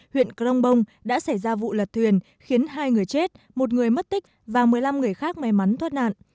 huyện crong bông đã xảy ra vụ lật thuyền khiến hai người chết một người mất tích và một mươi năm người khác may mắn thoát nạn